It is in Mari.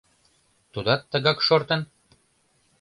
Тудат тыгак шортын?